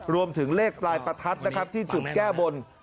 รวมถึงเลขปลายประทัดนะครับที่จุดแก้บน